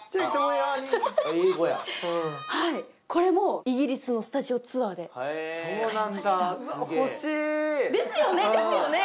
英語やはいこれもイギリスのスタジオツアーで買いましたですよねですよね